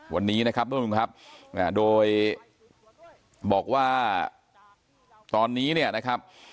วันนี้นะครับทุกผู้ชมครับโดยบอกว่าตอนนี้เนี่ยนะครับ